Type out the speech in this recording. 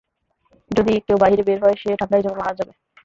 যদি কেউ বাহিরে বের হয়, সে ঠান্ডায় জমে মারা যাবে!